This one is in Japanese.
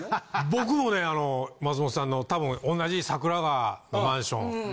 僕もね松本さんのたぶん同じ桜川のマンション。